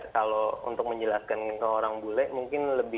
kalau untuk menjelaskan ke orang bule mungkin lebih